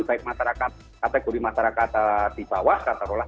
baik masyarakat kategori masyarakat baik masyarakat yang mengalami